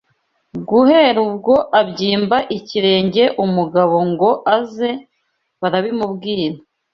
Guhera ubwo abyimba ikirenge umugabo ngo aze barabimubwira